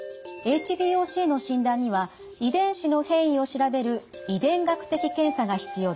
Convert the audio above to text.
ＨＢＯＣの診断には遺伝子の変異を調べる遺伝学的検査が必要です。